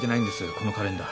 このカレンダー。